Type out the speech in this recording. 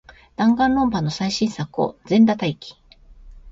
ダンガンロンパの最新作を、全裸待機